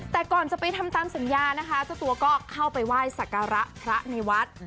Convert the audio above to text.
แต่ก่อนจะไปทำตามสัญญานะคะเจ้าตัวก็เข้าไปไหว้สักการะพระในวัด